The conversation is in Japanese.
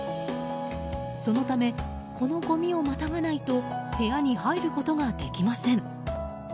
そのためこのごみをまたがないと部屋に入ることができません。